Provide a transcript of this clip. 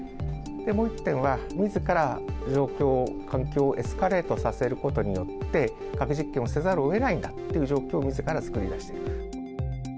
もう１点は、みずから状況・環境をエスカレートさせることによって、核実験をせざるをえないんだという状況をみずから作り出していく。